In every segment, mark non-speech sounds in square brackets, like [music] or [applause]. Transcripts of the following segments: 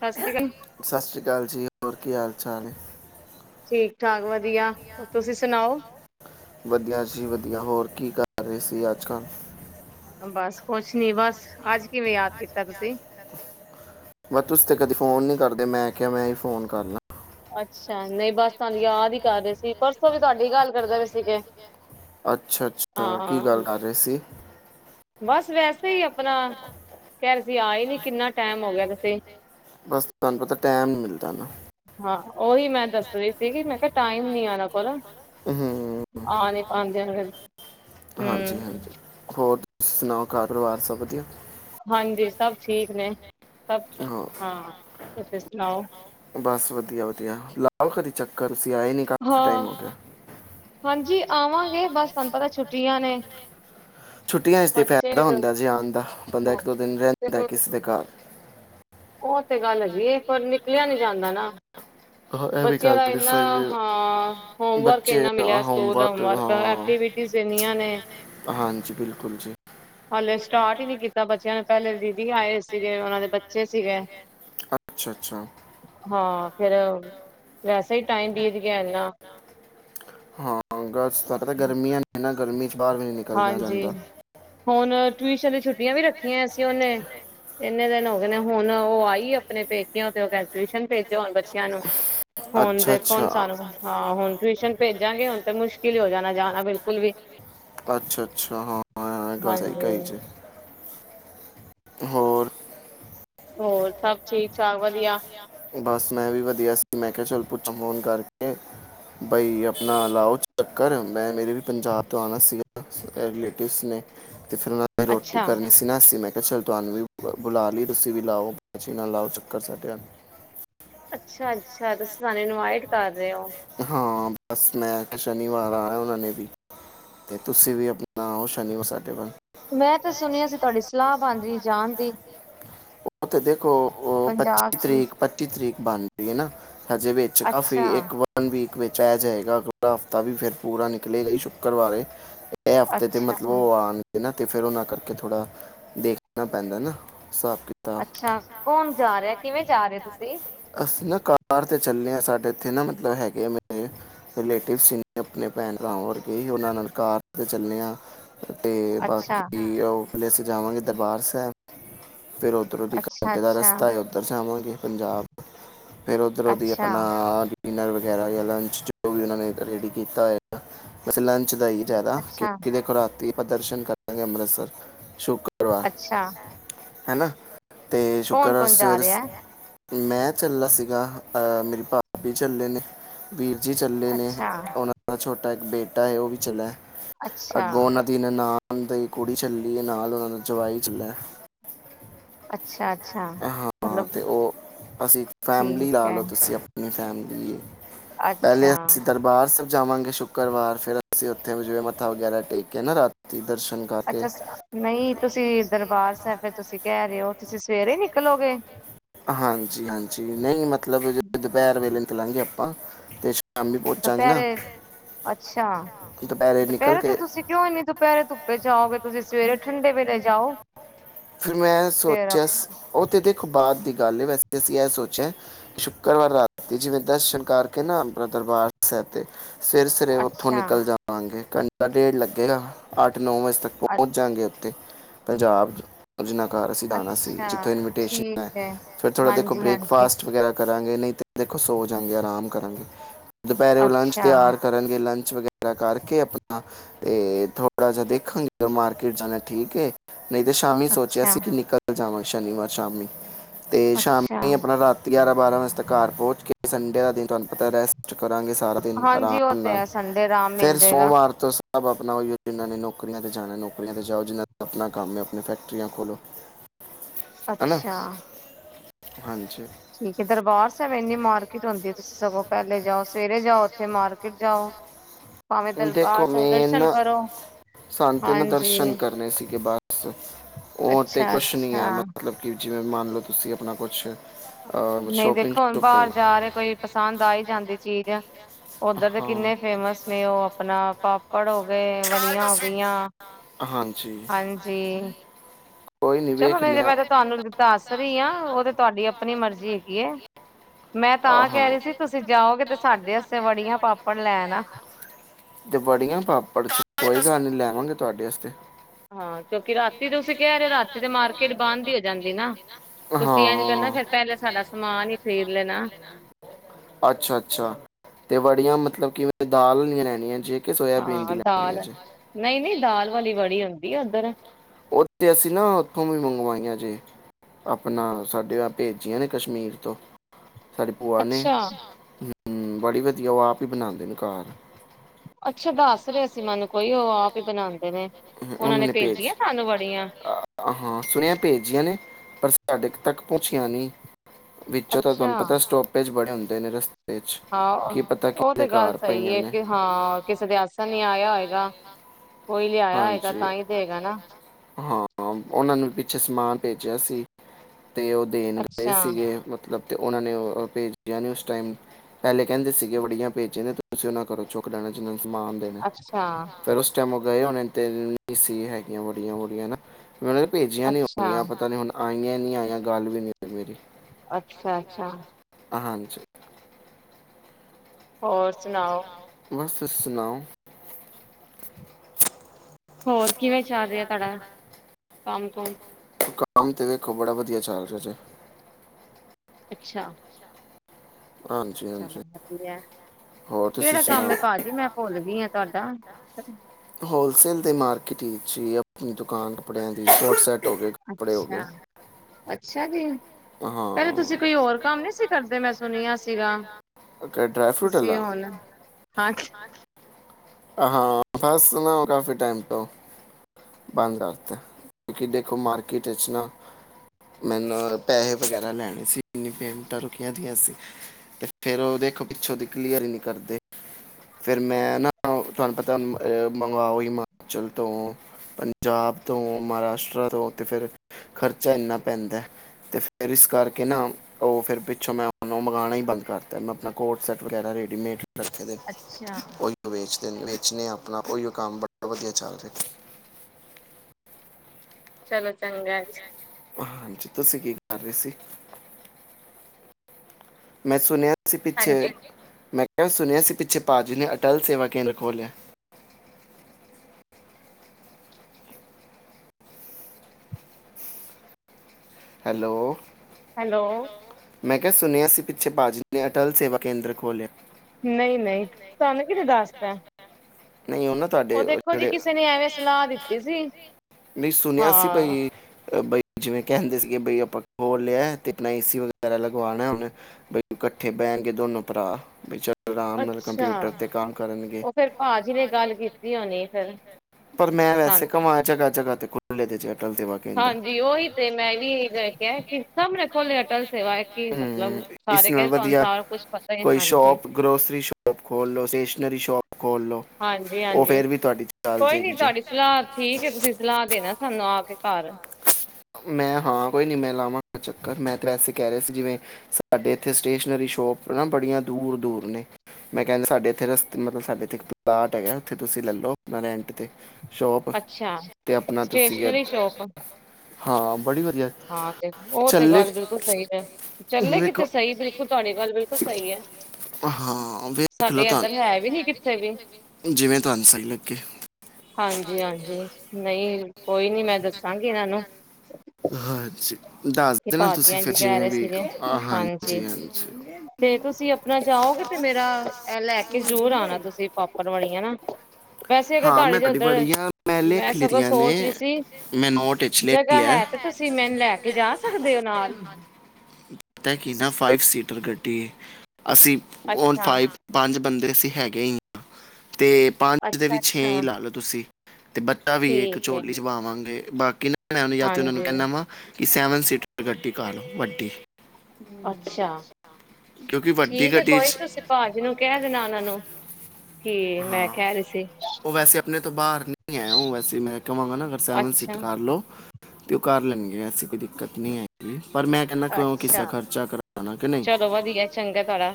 ਸਤਿ ਸ੍ਰੀ ਅਕਾਲ। ਸਤਿ ਸ੍ਰੀ ਅਕਾਲ ਜੀ ਹੋਰ ਕੀ ਹਾਲ ਚਾਲ ਹੈ। ਠੀਕ- ਠਾਕ ਵਧੀਆ ਹੋਰ ਤੁਸੀ ਸੁਣਾਓ ਵਧੀਆ ਜੀ ਵਧੀਆ ਹੋਰ ਕੀ ਕਰ ਰਹੇ ਸੀ ਅਜ -ਕਲ ਬਸ ਕੁਛ ਨੀ ਬਸ, ਅਜ ਕਿਵੇ ਯਾਦ ਕੀਤਾ ਤੁਸੀ ਮੈਂ ਤੁਸੀ ਤੇ ਕਦੇ ਫੋਨ ਨਹੀ ਕਰਦੇ ਮੈ ਆਖਿਆ ਮੈ ਹੀ ਫੋਨ ਕਰ ਲਾਂ ਅਛਾ ਨਹੀ, ਬਸ ਤੁਹਾਨੂੰ ਯਾਦ ਹੀ ਕਰ ਰਹੇ ਸੀ ਪਰਸੋ ਵੀ ਤੁਹਾਡੀ ਗੱਲ ਕਰਦੇ ਪਏ ਸੀਗੇ ਅਛਾ- ਅਛਾ, ਕੀ ਹਾਂ ਗੱਲ ਕਰ ਰਹੇ ਸੀ। ਬਸ ਵੈਸੇ ਹੀ ਆਪਣਾ, ਕਹਿ ਰਹੇ ਸੀ ਆਏ ਹੀ ਨੀ ਕਿੰਨਾ ਟਾਈਮ ਹੋ ਗਿਆ ਸੀ ਬਸ ਤੁਹਾਨੂੰ ਪਤਾ ਟਾਈਮ ਨੀ ਮਿਲਦਾ ਹਾਂ ਉਹੀ ਮੈਂ ਦੱਸਦੀ ਸੀਗੀ ਮੈਂ ਕਿਹਾ ਟਾਈਮ ਨੀ ਉਹਨਾਂ ਕੋਲ ਹੂੰ, ਆ ਨਹੀਂ ਪਾ ਜਾ ਫ [unintelligible] ਹਾਂਜੀ- ਹਾਂਜੀ ਹੋਰ ਤੁਸੀ ਸੁਣਾਓ ਘਰ ਪਰਿਵਾਰ ਸਭ ਵਧੀਆ ਹਾਂਜੀ ਸਭ ਠੀਕ ਨੇ, ਸਭ ਹਾਂ, ਤੁਸੀਂ ਸੁਣਾਓ? ਬਸ ਵਧੀਆ- ਵਧੀਆ, ਲਾਓ ਕਦੇ ਚੱਕਰ ਤੁਸੀਂ ਆਏ ਨਹੀਂ ਕਾਫੀ ਹਾਂ ਟਾਈਮ ਹੋ ਗਿਆ ਹਾਂਜੀ ਆਵਾਂਗੇ, ਬਸ ਤੁਹਾਨੂੰ ਪਤਾ ਛੁੱਟੀਆਂ ਨੇ ਛੁੱਟੀਆਂ 'ਚ ਤਾਂ ਬੱਚੇ ਫਾਇਦਾ ਹੁੰਦਾ ਜ ਆਉਣ ਦਾ ਬੰਦਾ ਇੱਕ ਦੋ ਦਿਨ ਰਹਿ ਤੇ ਲੈਂਦਾ ਹੁਣ ਕਿਸੇ ਦੇ ਘਰ ਉਹ ਤੇ ਗੱਲ ਹੈਗੀ, ਪਰ ਨਿਕਲਿਆ ਨੀ ਜਾਂਦਾ ਨਾ ਹਾਂ, ਇਹ ਵੀ ਬੱਚਿਆਂ ਗੱਲ ਦਾ ਤੇ ਇੰਨਾ ਸਹੀ ਹਾਂ ਹੈ ਹੋਮਵਰਕ ਬੱਚੇ ਇੰਨਾ ਮਿਲਿਆ ਸਕੂਲ ਹੋਮਵਰਕ ਹਾਂ ਐਕਟੀਵਿਟੀ- ਬਸ ਇੰਨੀਆਂ ਨੇ, ਹਾਂਜੀ ਬਿਲਕੁਲ ਜੀ, ਹਾਲੇ ਸਟਾਰਟ ਹੀ ਨੀ ਕੀਤਾ ਬੱਚਿਆਂ ਨੇ, ਪਹਿਲੇ ਦੀਦੀ ਆਏ ਸੀਗੇ ਉਹਨਾਂ ਦੇ ਬੱਚੇ ਸੀਗੇ। ਅੱਛਾ ਅੱਛਾ ਹਾਂ ਫਿਰ ਵੈਸੇ ਹੀ ਟਾਈਮ ਬੀਤ ਗਿਆ ਇੰਨਾ ਹਾਂ ਅਗਸਤ ਗਰਮੀ ਨਾ ਗਰਮੀ ਚ ਬਾਹਰ ਵੀ ਨ ਹਾਂਜੀ, ਹੁਣ ਟਿਊਸ਼ਨ ਦੀ ਛੁੱਟੀਆਂ ਵੀ ਰੱਖੀਆਂ ਅਸੀਂ ਉਹਨੇ ਇੰਨੇ ਦਿਨ ਹੋ ਗਏ ਨੇ ਹੁਣ ਉਹ ਆਈ ਆਪਣੇ ਪੇਕਓ ਤੇ ਉਹ ਕਹਿ ਰਹੀ ਟਿਊਸ਼ਨ ਭੇਜੋ ਹੁਣ ਬੱਚਿਆਂ ਨੂੰ ਹੁਣ ਅੱਛਾ ਦੇਖੋ ਹੁਣ ਅੱਛਾ ਸਾਨੂੰ, ਹਾਂ ਹੁਣ ਟਿਊਸ਼ਨ ਭੇਜਾਂਗੇ ਹੁਣ ਤੇ ਮੁਸ਼ਕਿਲ ਹੀ ਹੋ ਜਾਣਾ ਬਿਲਕੁਲ ਵੀ, ਅਛਾ -ਅਛਾ ਹਾਂ ਇਹ ਗੱਲ ਸਹੀ ਕਹੀ ਹਾਂਜੀ 'ਚ, ਹੋਰ ਹੋਰ ਸਭ ਠੀਕ- ਠਾਕ ਵਧੀਆ- ਬਸ ਮੈ ਵੀ ਵਧੀਆ ਸੀ, ਮੈ ਕਿਹਾ ਚਲ ਪੁੱਛਾਂ ਫੋਨ ਕਰਕੇ ਬਾਈ ਆਪਣਾ ਲਾਓ ਚੱਕਰ, ਮੈ ਮੇਰੇ ਵੀ ਪੰਜਾਬ ਤੋਂ ਆਉਣਾ ਸੀਗਾ ਰਿਲੇਟਿਵਸ ਨੇ- ਤੇ ਫਿਰ ਉਹਨਾ ਨੇ ਰੋਟੀ ਅੱਛਾ। ਕਰਨੀ ਮੈਂ ਕਿਹਾ ਚੱਲ ਤੁਹਾਨੂੰ ਵੀ ਬੁਲਾ ਲਈ ਤੁਸੀ ਵੀ ਲਾਓ ਖੁਸ਼ੀ ਨਾਲ ਲਾਓ ਚੱਕਰ ਸਾਡੇ ਅੱਛਾ ਅੱਛਾ ਤੁਸੀਂ ਸਾਨੂੰ ਇਨਵਾਈਟ ਕਰ ਰਹੇ ਹੋ ਹਾਂ ਬਸ ਮੈਂ ਸ਼ਨੀਵਾਰ ਆਇਆ ਉਹਨਾਂ ਨੇ ਵੀ ਤੇ ਤੁਸੀਂ ਵੀ ਆਪਣਾ ਉਹ ਸ਼ਨੀਵਾਰ ਸਾਡੇ ਵਲ- ਮੈਂ ਤਾਂ ਸੁਣਿਆ ਸੀ ਤੁਹਾਡੀ ਸਲਾਹ ਬਣ ਰਹੀ ਜਾਣ ਦੀ ਉਹ ਤੇ ਦੇਖੋ ਉਹ ਪੰਜਾਬ ਪੱਚੀ ਚ ਤਰੀਕ, ਪੱਚੀ ਤਰੀਕ ਬਣ ਰਹੀ ਹੈ ਨਾ, ਹਜੇ ਵਿੱਚ ਕਾਫੀ ਅੱਛਾ ਇੱਕ ਵਾਰ ਨ ਵੀਕ ਵਿੱਚ ਆਇਆ ਜਾਏਗਾ ਅਗਲਾ ਹਫ਼ਤਾ ਵੀ ਫਿਰ ਪੂਰਾ ਨਿਕਲੇਗਾ ਸ਼ੁੱਕਰਵਾਰ ਐ ਹਫ਼ਤੇ ਤੇ ਅੱਛਾ ਮਤਲਬ ਉਹ ਆਉਣ? ਤੇ ਫੇਰ ਉਹਨਾਂ ਕਰਕੇ ਥੋੜਾ ਦੇਖਣਾ ਪੈਂਦਾ ਨਾ ਸਾਫ਼ ਅੱਛਾ, ਕੌਣ ਜਾ ਰਿਹਾ, ਕਿਵੇਂ ਜਾ ਰਹੇ ਤੁਸੀਂ? [unintelligible] [inaudible] ਬਾਹਰ ਤਾਂ ਚੱਲੇ ਹ ਸਾਡੇ ਇੱਥੇ ਨਾ ਮਤਲਬ ਹੈਗੇ ਰਿਲੇਟਿਵ ਸੀ, ਆਪਣੇ ਭੈਣ ਭਾਂਰਾਵਾਂ ਔਰ ਉਹਨਾਂ ਨਾਲ, ਕਾਰ ਤੇ ਚੱਲੇ ਆ। ਅਤੇ, ਅੱਛਾ ਬਾਕੀ ਉਹ ਫਲੇ ਅਸੀਂ, ਜਾਵਾਂਗੇ ਦਰਬਾਰ ਸਾਹਿਬ ਫਿਰ ਉਧਰੋਂ ਦੀ ਅੱਛਾ ਘੰਟੇ ਦਾ ਅੱਛਾ ਰਸਤਾ ਹੈ, ਉੱਧਰ ਜਾਵਾਂਗੇ ਪੰਜਾਬ ਫਿਰ, ਉੱਧਰੋਂ ਦੀ ਅੱਛਾ ਆਪਣਾ ਡਿਨਰ ਵਗੈਰਾ, ਜਾਂ ਲੰਚ ਜੋ ਵੀ, ਉਹਨਾਂ ਨੇ ਰੇਡੀ ਕੀਤਾ ਹੈਗਾ, ਬਸ ਲੰਚ ਦਾ ਹੀ ਏ ਜ਼ਿਆਦਾ ਅੱਛਾ ਕਿਉਂਕਿ, ਦੇਖੋ ਰਾਤੀ ਦਰਸ਼ਨ ਕਰਨੇ ਨੇ ਅੰਮ੍ਰਿਤਸਰ ਸ਼ੁਕਰ ਸ਼ੁੱਕਰਵਾਰ ਅੱਛਾ ਹੈਨਾ ਤੇ ਕੌਣ ਸ਼ੁੱਕਰਵਾਰ ਕੌਣ ਜਾ ਸਵੇਰੇ, ਰਿਹਾ [inaudible] ਮੈਂ ਚੱਲਾ ਸੀਗਾ, ਅਹ ਮੇਰੀ ਭਾਬੀ ਚੱਲੇ ਨੇ ਵੀਰ ਜੀ ਚੱਲੇ ਨੇ, ਅੱਛਾ ਉਹਨਾਂ ਦਾ ਛੋਟਾ ਇੱਕ ਬੇਟਾ ਹੈ, ਉਹ ਵੀ ਚੱਲਿਆ। ਅੱਛਾ ਅੱਗੋਂ ਉਹਨਾਂ ਦੀ ਨਨਾਨ ਦੀ ਕੁੜੀ ਚੱਲੀ ਏ ਨਾਲ ਉਹਨਾਂ ਦਾ ਜਵਾਈ ਚੱਲਾ। ਅੱਛਾ- ਅੱਛਾ ਹਾਂ, ਮਤਲਬ ਅਤੇ ਉਹ, ਅਸੀਂ ਫੈਮਿਲੀ ਠੀਕ ਲਾ ਹੈ ਲਓ ਤੁਸੀਂ ਆਪ ਆਪਣੀ ਫੈਮਲੀ ਅੱਛਾ ਪਹਿਲੇ ਬਾਹਰ ਸਭ ਜਾਵਾਂਗੇ ਸ਼ੁੱਕਰਵਾਰ, ਫੇਰ ਅਸੀਂ ਉੱਥੇ ਜਿਵੇਂ ਮੱਥਾ ਵਗੈਰਾ ਟੇਕ ਕੇ ਨਾ, ਰਾਤੀ ਦਰਸ਼ਨ ਕਰਕੇ ਅੱਛਾ, ਨਹੀਂ ਤੁਸੀਂ ਦਰਬਾਰ ਸਾਹਿਬ ਤੁਸੀਂ ਕਹਿ ਰਹੇ ਹੋ, ਤੁਸੀਂ ਸਵੇਰੇ ਨਿਕਲੋਗੇ? ਹਾਂਜੀ- ਹਾਂਜੀ ਨਹੀਂ ਮਤਲਬ ਜ ਦੁਪਹਿਰ ਵੇਲੇ, ਨਿਕਲਗੇ ਆਪਾਂ ਤੇ ਸ਼ਾਮੀ ਪਹੁੰਚਾ ਗੇ ਨਾ, ਦੁਪਹਿਰੇ ਅੱਛਾ ਦੁਪਹਿਰੇ ਨਿਕਲ ਤੇ ਕੇ ਤੁਸੀਂ ਕਿਉਂ ਏਨੀ, ਦੁਪਹਿਰੇ ਧੁੱਪੇ ਜਾਓਗੇ, ਤੁਸੀਂ ਸਵੇਰੇ ਠੰਡੇ ਵੇਲੇ ਜਾਓ। ਫਿਰ ਮੈਂ ਤੇ ਸੋਚਿਆ ਉਹ ਤੇ ਦੇਖੋ ਬਾਅਦ ਦੀ ਗੱਲ ਹੈ, ਵੈਸੇ ਅਸੀਂ ਇਹ ਸੋਚਿਆ? ਸ਼ੁੱਕਰਵਾਰ ਰਾਤੀ, ਜਿਵੇਂ ਦਰਸ਼ਨ ਕਰਕੇ ਨਾ, ਦਰਬਾਰ ਸਾਹਿਬ ਦੇ ਸਵੇਰ- ਸਵੇਰੇ ਉੱਥੋਂ ਅੱਛਾ ਨਿਕਲ ਜਾਵਾਂਗੇ, ਘੰਟਾ ਡੇਢ, ਲੱਗੇਗਾ ਅੱਠ ਨੌ ਵਜੇ ਤੱਕ, ਅ ਪਹੁੰਚ ਜਾਂਗੇ ਤੇ ਪੰਜਾਬ ਜਿਨ੍ਹਾਂ ਘਰ ਅਸੀਂ ਜਾਣਾ ਸੀ। ਅੱਛਾ ਜਿੱਥੋਂ ਇਨਵੀਟੇਸ਼ਨ ਠੀਕ ਹੈ, ਫਿਰ ਥੋੜਾ ਦੇਖੋ ਹਾਂਜੀ ਹਾਂਜੀ ਬ੍ਰੇਕਫਾਸਟ ਵਗੈਰਾ ਕਰਾਂਗੇ ਨਹੀਂ ਤੇ ਦੇਖੋ, ਸੋ ਜਾਂਗੇ ਆਰਾਮ ਕਰਾਂਗੇ। ਦੁਪਹਿਰੇ ਉਹ ਲੰਚ, ਅੱਛਾ ਤਿਆਰ ਕਰਨਗੇ ਲੰਚ ਵਗੈਰਾ ਪਤਾ ਕਰਕੇ ਆਪਣਾ ਤੇ ਥੋੜ੍ਹਾ ਜਿਹਾ ਦੇਖਾਂਗੇ, ਮਾਰਕੀਟ ਜਾਣਾ ਠੀਕ ਏ, ਨਹੀਂ ਤਾਂ ਸ਼ਾਮੀ ਸੋਚਿਆ ਅੱਛਾ ਸੀ, ਨਿਕਲ ਜਾਵਾਂਗੇ ਸ਼ਨੀਵਾਰ ਸ਼ਾਮੀ, ਤੇ ਅੱਛਾ ਸ਼ਾਮੀ ਆਪਣਾ ਰਾਤ ਗਿਆਰਾਂ -ਬਾਰਾਂ ਵਜੇ ਤੱਕ ਘਰ ਪਹੁੰਚ ਕੇ, ਸੰਡੇ ਦਾ ਦਿਨ ਤੁਹਾਨੂੰ ਪਤਾ ਰੇਸਟ ਕਰਾਂਗੇ ਸਾਰਾ ਦਿਨ ਹਾਂਜੀ ਉਹ ਆਰਾਮ ਤੇ ਨਾਲ,, ਹੈ ਸੰਡੇ ਆਰਾਮ ਮਿਲ ਫੇਰ ਜਾਏਗਾ ਸੋਮਵਾਰ ਤੋਂ ਸਭ ਆਪਣਾ ਹੋਈਉ, ਜਿਨ੍ਹਾਂ ਨੇ ਨੌਕਰੀਆਂ ਤੇ ਜਾਣਾ ਨੌਕਰੀਆਂ ਤੇ ਜਾਓ, ਜਿਨ੍ਹਾਂ ਦਾ ਆਪਣਾ ਕੰਮ ਏ ਫੈਕਟਰੀਆਂ, ਖੋਲੋ ਹਨਾ, ਅੱਛਾ ਹਾਂਜੀ ਠੀਕ ਏ, ਦਰਬਾਰ ਸਾਹਿਬ ਏਨੀ ਮਾਰਕੀਟ ਹੁੰਦੀ ਏ। ਤੁਸੀਂ ਸਗੋਂ ਪਹਿਲੇ ਜਾਓ ਸਵੇਰੇ ਜਾਓ, ਉੱਥੇ ਮਾਰਕੀਟ ਜਾਓ ਭਾਵੇਂ ਹੁਣ ਦਰਬਾਰ ਸਾਹਿਬ, ਦਰਸ਼ਨ ਕਰੋ। ਸ਼ਾਂਤੀ ਨਾਲ ਦਰਸ਼ਨ ਹਾਂਜੀ ਕਰਨੇ ਸੀਗੇ, ਬਸ ਉਹ ਤਾਂ ਅੱਛਾ ਕੁਛ ਨਹੀਂ ਹੈ ਅੱਛਾ ਮਤਲਬ ਕਿ ਜਿਵੇਂ ਮੰਨ ਲਓ, ਤੁਸੀਂ ਆਪਣਾ ਕੁਛ ਨਹੀਂ ਸ਼ਾਪਿੰਗ ਦੇਖੋ, ਹੁਣ ਸ਼ਾਪਿੰਗ ਬਾਹਰ ਜਾ ਰਹੇ ਕੋਈ ਪਸੰਦ, ਆ ਈ ਜਾਂਦੀ ਚੀਜ਼ ਉਧਰ, ਦੇ ਕਿੰਨੇ ਹਾਂ ਫੇਮਸ? ਉਹ ਆਪਣਾ, ਪਾਪੜ ਹੋ, ਗਏ ਵੜੀਆਂ ਹੋ, ਗਈਆਂ। ਹਾਂਜੀ। ਹਾਂਜੀ ਕੋਈ ਚਲੋ ਵੇਖ ਨਹੀਂ, ਜੇ ਲਿਆ ਮੈਂ ਤਾਂ ਤੁਹਾਨੂੰ ਦੱਸ ਰਹੀਂ ਆਂ ੳਹ ਉਹ ਤਾਂ ਤੁਹਾਡੀ ਆਪਣੀ ਮਰਜ਼ੀ ਹੈਗੀ ਏ। ਮੈਂ ਤਾਂ ਕਹਿ ਆਹਾਂ ਰਹੀ ਸੀ, ਤੁਸੀਂ ਜਾਓਗੇ ਤੇ ਸਾਡੇ ਵਾਸਤੇ ਵੜੀਆਂ, ਪਾਪੜ ਲੈ ਆਣਾ। ਤੇ ਵੜੀਆਂ, ਪਾਪੜ, ਕੋਈ ਗੱਲ ਨੀ ਲੈ ਆਵਾਂਗੇ ਤੁਹਾਡੇ ਵਾਸਤੇ। ਹਾਂ ਕਿਉਂਕਿ, ਰਾਤੀ ਤੁਸੀਂ ਕਹਿ ਰਹੇ ਹੋ, ਰਾਤੀ ਤੇ ਮਾਰਕੀਟ ਬੰਦ ਹੀ ਹੋ ਜਾਂਦੀ ਨਾ। ਤੁਸੀਂ ਇੰਝ ਕਰਨਾ ਫਿਰ ਹਾਂ ਪਹਿਲੇ ਸਾਡਾ ਸਮਾਨ ਹੀ ਖ਼ਰੀਦ ਲੈਣਾ। ਅੱਛਾ ਅੱਛਾ ਤੇ ਵੜੀਆਂ ਮਤਲਬ ਕਿਵੇਂ ਦਾਲ ਵਲਿਆਂ ਲੈਣੀਆਂ ਜੇ ਕਿ ਸੋਇਆਬੀਨ ਦੀ ਹਾਂ ਲੈਣੀਆਂ ਦਾਲ ਜੇ ਨਹੀਂ ਨਹੀਂ ਦਾਲ ਵੱਲੀ ਵੜੀ ਹੁੰਦੀ ਆ ਉੱਧਰ। ਉੱਤੇ ਅਸੀਂ ਨਾ ਉੱਥੋਂ ਵੀ ਮੰਗਵਾਈਆਂ ਜੇ ਆਪਣਾ ਸਾਡੇ ਆ ਭੇਜੀਆਂ ਨੇ ਕਸ਼ਮੀਰ ਤੋਂ। ਸਾਡੇ ਭੂਆ ਨੇ ਅੱਛਾ ਹਮ ਬੜੀ ਵਧੀਆ ਉਹ ਆਪ ਹੀ ਬਣਾਉਂਦੇ ਨੇ ਘਰ। ਅੱਛਾ ਦੱਸ ਰਹੇ ਸੀ ਮੈਨੂੰ ਕੋਈ ਉਹ ਆਪ ਹੀ ਬਣਾਉਂਦੇ ਨੇ। ਉਹਨਾਂ ਨੇ ਭੇਜੀਆਂ ਤਾਣੁ ਵੜੀਆਂ? ਆ ਹਾਂ ਸੁਣਿਆ ਭੇਜੀਆਂ ਨੇ ਪਰ ਸਾਡੇ ਤੱਕ ਪਹੁੰਚੀਆਂ ਨਹੀਂ। ਵਿੱਚੋਂ ਤਾਂ ਅੱਛਾ ਤੁਹਾਨੂੰ ਪਤਾ ਸਟੋਪੇਜ ਬੜੇ ਹੁੰਦੇ ਨੇ ਰਸਤੇ 'ਚ ਹਾਂ ਕੀ ਪਤਾ ਉਹ ਤੇ ਕਿਹਦੇ ਗੱਲ ਘਰ ਸਹੀ ਪਈਆਂ ਏ ਨੇ ਕਿ ਹਾਂ ਕਿਸੇ ਦੇ ਆਸਨ ਨੀ ਆਇਆ ਹੋਏਗਾ। ਕੋਈ ਲਿਆਇਆ ਹੋਏਗਾ ਤਾਂ ਹੀ ਦੇਗਾ ਨਾ। ਹ ਉਹਨਾਂ ਨੂੰ ਪਿੱਛੇ ਸਮਾਨ ਭੇਜਿਆ ਸੀ ਤੇ ਉਹ ਦੇਣ ਗਏ ਅੱਛਾ ਸੀਗੇ। ਤੱਤੇ ਉਹਨਾਂ ਨੇ ਓ ਭੇਜਤੀਆ ਨੇ ਉਸ ਟਾਈਮ। ਪਹਿਲੇ ਕਹਿੰਦੇ ਸੀਗੇ ਵੱੜੀਆਂ ਭੇਜੇ ਨੇ ਤੁਸੀਂ ਉਹਨਾਂ ਘਰੋਂ ਚੁਕ ਲਿਆਣਾ ਜਿਨਾਂ ਨੂੰ ਸਮਾਨ ਅੱਛਾ ਫੇਰ ਉਸ ਟਾਈਮ ਉਹ ਗਏ ਹੋਣੇ ਨੇ ਤੇ ਸੀ ਹੈਗੀਆਂ ਵਡੀਆਂ ਵਡੀਆਂ ਨਾ ਉਹ ਨੇ ਭੇਜੀਆਂ ਨੀ ਅੱਛਾ ਆਪਣੀਆਂ ਪਤਾ ਨੀ ਹੁਣ ਆਈਆਂ ਨਹੀਂ ਆਈਆਂ ਗੱਲ ਵੀ ਨਹੀਂ ਹੋਈ ਮੇਰੀ। ਅੱਛਾ ਹ ਹਾਂਜੀ ਹੋਰ ਸੁਣਾਓ? ਬਸ ਤੁਸੀ ਸੁਣਾਓ? ਹੋਰ ਕਿਵੇਂ ਚੱਲ ਰਿਹਾ ਤੁਹਾਡਾ ਕਮ ਕੁਮ। ਕਾਮ ਤੇ ਵੇਖੋ ਬੜਾ ਵਧੀਆ ਚੱਲ ਰਿਹਾ ਜੇ। ਅੱਛਾ। ਹਾਂਜੀ ਚਲ ਹਾਂਜੀ ਵਧੀਆ ਹੋਰ ਤੁਸੀਂ ਕਿਹੜਾ ਕੰਮ ਸੁਣਾਓ ਏ ਭਾਜੀ ਮੈਂ ਭੁੱਲ ਗਈ ਆ ਤੁਹਾਡਾ। ਹੋਲਸੇਲ ਦੇ ਮਾਰਕੀਟ ਵਿੱਚ ਈ ਆਪਣੀ ਦੁਕਾਨ ਕੱਪੜਿਆਂ ਦੀ ਕੋਰਡਸੇਟ ਹੋ ਗਏ। ਕੱਪੜੇ ਹੋ ਅੱਛਾ ਗਏ ਅੱਛਾ ਜੀ। ਪਹਿਲੇ ਤੁਸੀਂ ਕੋਈ ਹਾਂ ਹੋਰ ਕੰਮ ਨਈ ਸੀ ਕਰਦੇ ਮੈਂ ਸੁਣਿਆ ਸੀਗਾ। ਓਕੇ ਡਰਾਈਫਰੂਟ ਤੁਸੀਂ ਅਲਾ। ਹੁਣ ਹਾਂ। ਹਾਂ ਬਸ ਸੁਣਾਓ ਕਾਫੀ ਟਾਈਮ ਤੋਂ। ਬੰਦ ਕਰਤਾ ਕਿ ਦੇਖੋ ਮਾਰਕੀਟ ਇਚ ਨਾ। ਮੈਨੂੰ ਪੈਸੇ ਵਗੈਰਾ ਲੈਣੇ ਸੀ ਇੰਨੀ ਪੇਮਟਾਂ ਰੁਕੀਆਂ ਦੀਆਂ ਸੀ। ਤੇ ਫੇਰ ਉਹ ਦੇਖੋ ਪਿੱਛੋਂ ਦੀ ਕਲੀਅਰ ਹੀ ਨੱਹੀ ਕਰਦੇ। ਫਿਰ ਮੈਂ ਨਾ ਤੁਹਾਨੂੰ ਪਤਾ ਮੰਗਵਾਓ ਹਿਮਾਚਲ ਤੋਂ। ਪੰਜਾਬ ਤੋਂ, ਮਹਾਰਾਸ਼ਟਰ ਤੋਂ, ਤੇ ਫਿਰ ਖ਼ਰਚਾ ਇੰਨਾ ਪੈਂਦਾ। ਅਤੇ ਫਿਰ ਇਸ ਕਰਕੇ ਨਾ। ਉਹ ਫਿਰ ਪਿੱਛੋਂ ਮੈਂ ਅਪਣੋ ਮੰਗਉਣਾ ਹੀ ਬੰਦ ਕਰਤਾ ਮੈਂ ਆਪਣਾ ਕੋਟ ਸੈਟ ਵਗੈਰਾ ਰੇਡੀਮੇਡ ਰੱਖੜੀ ਦੇ ਅੱਛਾ। ਦਿਨ ਉਹੀ ਵੇਚਦੇ ਵੇਚਣੇ ਆਪਣਾ ਉਹੀਓ ਕੰਮ ਬੜਾ ਵਧੀਆ ਚੱਲ ਰਿਹਾ। ਚਲੋ ਚੰਗਾ ਏ। ਹਾਂਜੀ ਤੁਸੀਂ ਕੀ ਕਰ ਰਹੇ ਸੀ? ਮੈਂ ਸੁਣਿਆ ਸੀ ਪਿੱਛੇ ਹਾਂਜੀ ਮੈਂ ਕਿਹਾ ਸੁਣਿਆ ਸੀ ਪਿੱਛੇ ਭਾਜੀ ਨੇ ਅਟਲ ਸੇਵਾ ਕੇਂਦਰ ਖੋਲਿਆ। ਹੈਲੋ। ਹੈਲੋ। ਮੈਂ ਕਿਹਾ ਸੁਣਿਆ ਸੀ ਪਿੱਛੇ ਭਾਜੀ ਨੇ ਅਟਲ ਸੇਵਾ ਕੇਂਦਰ ਖੋਲ੍ਹਿਆ। ਨਹੀਂ ਨਹੀਂ ਤੁਹਾਨੂੰ ਕਿਨੇ ਦੱਸਤਾ। ਨਹੀਂ ਉਹਨਾਂ। ਤੁਹਾਡੇ ਉਹ ਦੇਖੋ ਜੀ ਜਿਹੜੇ ਨੱਹੀ ਕਿਸੇ ਨੇ ਐਵੇਂ ਹੀ ਸਲਾਹ ਦਿੱਤੀ ਦਿਤੀ ਸੀ, ਸੀ ਨਹੀਂ ਸੁਣਿਆ ਸੀ ਹਾਂ, ਬਾਈ ਬਈ ਜਿਵੇਂ ਕਹਿੰਦੇ ਸੀਗੇ ਬਈ ਆਪਾਂ ਖੋਲ ਲਿਆ ਤੇ ਆਪਣਾ ਏ ਸੀ ਵਗੈਰਾ ਲਗਵਾਉਣਾ ਹੁਨ। ਭਈ ਇਕੱਠੇ ਬਹਿਣਗੇ ਦੋਨੋ ਭਰਾ ਬਈ ਆਰਾਮ ਨਾਲ ਕੰਪਿਊਟਰ ਤੇ ਕੰਮ ਕਰਨਗੇ। ਫਿਰ ਪਾਜ। ਪਰ ਮੈਂ ਵੈਸੇ ਸਾਨੂੰ। ਘਮਾਇਆ ਜਗ੍ਹਾ ਜਗ੍ਹਾ ਤੇ ਖੁੱਲ ਦੇ ਜ ਅਟਲ ਦੇ ਵ [unintelligible] ਹਾਂਜੀ ਉਹੀ ਤੇ ਮੈਂ ਵੀ ਕਿਹਾ ਕਿ ਸਭਣੇ ਖੋਲਿਆ ਟਲ ਸੇਵਾ [unintelligible] ਕੀ ਮਤਲਬ ਹਮ, ਇਸ ਸਾਰੇ ਨਾਲ ਕਹਿੰਦੇ ਤੁਹਾਨੂੰ ਵਧੀਆ ਸਾਰਾ ਕੁਛ ਪਤਾ ਹੀ ਕੋਈ ਹਾਂਜੀ ਸ਼ਾਪ ਗਰੋਸਰੀ ਸ਼ੋਪ ਖੋਲ ਲਓ, ਸਟੇਸ਼ਨਰੀ ਸ਼ੋਪ ਖੋਲ ਲਓ ਹਾਂਜੀ- ਉਹ ਹਾਂਜੀ, ਫੇਰ ਵੀ ਤੁਹਾਡੀ ਚੱਲ ਕੋਈ ਨੀ ਜੇਗੀ ਜੇ ਤੁਹਾਡੀ ਸਲਾਹ ਠੀਕ, ਤੁਸੀਂ ਸਲਾਹ ਦੇਣਾ ਸਾਨੂੰ ਆ ਕੇ ਘਰ ਮੈਂ ਹਾਂ ਕੋਈ ਨੀ ਮਿਲ ਆਵਾਂ ਚੱਕਰ, ਮੈਂ ਤਾਂ ਵੈਸੇ ਕਹਿ ਰਹੇ ਸੀ ਜਿਵੇਂ ਸਾਡੇ ਇੱਥੇ ਸਟੇਸ਼ਨਰੀ ਸ਼ੋਪ ਨਾ, ਬੜੀਆਂ ਦੂਰ- ਦੂਰ ਨੇ ਮੈਂ ਕਹਿੰਦਾ ਸਾਡੇ ਇੱਥੇ ਰ ਮਤਲਬ ਸਾਡੇ ਇਥੇ ਇੱਕ ਪਲਾਟ ਹੈਗਾ, ਉਥੇ ਤੁਸੀਂ ਲੈ ਲਓ ਰੈਂਟ ਤੇ ਸ਼ੋਪ, ਅੱਛਾ ਤੇ ਆਪਣਾ ਤੁਸੀਂ ਸਟੇਸ਼ਨਰੀ ਇੱਥੇ, ਸ਼ੋਪ ਹਾਂ ਬੜੀ ਵਧੀਆ ਹਾਂ ਤੇ, ਉਹ ਤੇ ਚੱਲੇ ਗੱਲ ਬਿਲਕੁਲ ਸਹੀ ਹੈ, ਹੁਣ ਚੱਲੇ ਕਿ ਵੇਖੋ ਤੇ ਸਹੀ ਬਿਲਕੁਲ ਤੁਹਾਡੀ ਗੱਲ ਬਿਲਕੁਲ ਸਹੀ ਹੈ ਹਾਂ ਵੇਖ ਲਓ ਸਾਡੇ ਇਧਰ ਹੈ ਵੀ ਤੁਹਾਨੂੰ ਨੀ ਕਿੱਥੇ ਵੀ ਜਿਵੇਂ ਤੁਹਾਨੂੰ ਸਹੀ ਲੱਗੇ ਹਾਂਜੀ- ਹਾਂਜੀ, ਨਹੀਂ, ਕੋਈ ਨੀ ਮੈਂ ਦੱਸ ਹਾਂਜੀ ਦੱਸ ਤੇ ਦੇਣਾ ਭਾਜੀ ਤੁਸੀਂ ਫਿਰ ਹਾਂਜੀ ਕਹਿ ਜਿਵੇਂ ਰਹੇ ਵੀ ਸੀਗੇ, ਆ, ਹਾਂਜੀ ਤੇ ਤੁਸੀਂ ਆਪਣਾ ਜਾਓਗੇ ਤੇ ਮੇਰਾ, ਲੈ ਕੇ ਜ਼ਰੂਰ ਆਉਣਾ ਤੁਸੀਂ ਪਾਪ ਉਪਰ ਵਾਲੀਆ ਨਾ, ਵੈਸੇ ਅਗਰ ਹਾਂ ਤੁਹਾਡੇ ਮੈਂ ਜ ਤੁਹਾਡੀ ਉੱਧਰ, ਬੜੀਆਂ ਮੈਂ ਲਿਖ ਸਗੋਂ ਲਿਤੀਆਂ ਸੋਚ ਨੇ ਰਹੀ ਸੀ ਮੈਂ ਨੋਟ ਇਚਲੇ ਜਗ੍ਹਾ ਲਿਆ ਹੈ ਤੇ ਤੁਸੀਂ ਮੈਨੂੰ ਲੈ ਕੇ ਜਾ ਸਕਦੇ ਹੋ ਨਾਲ ਪਤਾ ਕਿ ਨਾ ਫਾਈਵ ਸੀਟਰ ਗੱਡੀ, ਅਸੀਂ, ਓਨ ਅੱਛਾ ਫਾਈਵ ਪੰਜ ਬੰਦੇ ਅਸੀਂ ਹੈਗੇ ਹੀ, ਤੇ ਪੰਜ ਦੇ ਅੱਛਾ ਵੀ ਛੇ ਹੀ ਅੱਛਾ ਲਾ ਲਓ ਤੁਸੀਂ ਤੇ ਬੰਦਾ ਵੀ ਇੱਕ ਠੀਕ ਹੈ ਝੋਲੀ 'ਚ ਪਾਵਾਂਗੇ, ਬਾਕੀ ਨਾ ਅੱਜ ਉਹਨਾ ਨੂੰ ਹਾਂਜੀ ਕਹਿੰਦਾ ਵਾ। ਕਿ ਸੈਵਨ ਸੀਟਰ ਗੱਡੀ ਕਰ ਲਓ, ਵੱਡੀ। ਅੱਛਾ, ਕਿਉਂਕਿ ਵੱਡੀ ਠੀਕ, ਗੱਡੀ ਕੋਈ ਚ ਤੁਸੀਂ ਭਾਜੀ ਨੂੰ ਕਹਿ ਦੇਣਾ ਉਹਨਾਂ ਨੂੰ। ਕਿ ਮੈਂ ਹਾਂ ਕਿਹਾ ਰਹੀ ਸੀ। ਉਹ ਵੈਸੇ ਆਪਣੇ ਤੋਂ ਬਾਹਰ ਨਹੀਂ ਆ, ਵੈਸੇ ਮੈਂ ਕਹਾਂਗਾ ਨਾ, ਅ ਸੈਵਨ ਸੀਟਰ ਅੱਛਾ ਕਰ ਲਓ। ਤੇ ਉਹ ਕਰ ਲੈਣਗੇ ਐਸੀ ਕੋਈ ਦਿੱਕਤ ਨਹੀਂ ਹੈਗੀ, ਪਰ ਮੈਂ। ਕਹਿੰਦਾ ਕਿਉਂ ਕਿਸੇ ਅੱਛਾ, ਦਾ ਖਰਚਾ ਕਰਾਉਣਾ ਕਿ ਨਹੀਂ ਚਲੋ ਵਧੀਆ ਚੰਗਾ ਤੁਹਾਡਾ,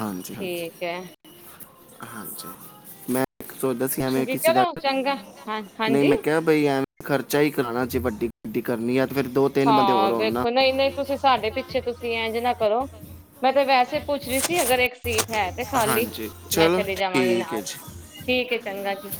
ਹਾਂਜੀ ਹਾਂਜੀ ਠੀਕ। ਕੈ ਮੈਂ ਸੋਚਦਾ ਸੀ ਐਵੇਂ ਹਾਂਜੀ ਕਿਸੇ ਦਾ ਚਲੋ ਚੰਗਾ ਹਾਂ ਨਈ ਹਾਂਜੀ ਮੈਂ ਕਿਆ ਬਈ ਐਵੇਂ ਖਰਚਾ ਹੀ ਕਰਾਉਣਾ ਸੀ ਵੱਡੀ ਗੱਡੀ ਕਰਨੀ ਹੈ। ਫੇਰ ਦੋ ਤਿੰਨ ਬੰਦੇ ਹੋਰ ਹਾਂ ਹੋਣ ਨਾ ਵੇਖੋ ਨਹੀਂ-ਨਹੀਂ ਤੁਸੀਂ ਸਾਡੇ ਪਿੱਛੇ ਤੁਸੀਂ ਇਝਿ ਨਾ ਕਰੋ ਮੈਂ ਤੇ ਵੈਸੇ ਪੁੱਛ ਰਹੀ ਸੀ ਅਗਰ ਇੱਕ ਸੀਟ ਹੈ। ਤੇ ਖਾਲੀ ਹਾਂਜੀ ਮੈਂ ਚਲੋ ਚਲੀ ਜਾਵਾਂਗੀ ਠੀਕ ਨਾਲ ਠੀਕ ਚੰਗਾ ਜੀ ???